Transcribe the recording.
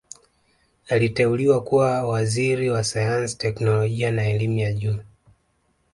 Aliteuliwa kuwa Waziri wa Sayansi Teknolojia na Elimu ya Juu